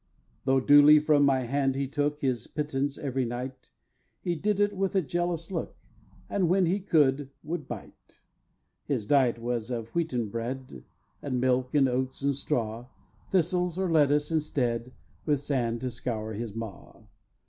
"Though duly from my hand he took His pittance every night, He did it with a jealous look, And, when he could, would bite. "His diet was of wheaten bread, And milk, and oats, and straw; Thistles, or lettuces instead, With sand to scour his maw.